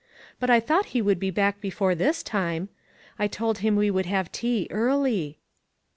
But I thought he would be back before this time. I told him we would have tea early."